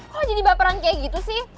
kok jadi baperan kayak gitu sih